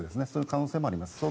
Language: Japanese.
そういう可能性もあります。